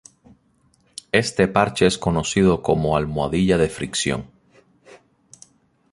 Este parche es conocido como "almohadilla de fricción.